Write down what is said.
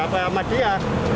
berapa amat dia